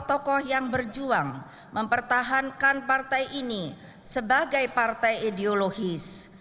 tokoh yang berjuang mempertahankan partai ini sebagai partai ideologis